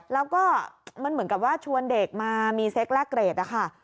แล้วก็มันเหมือนกับว่าชวนเด็กมามีเซ็กแลกเกรดนะคะ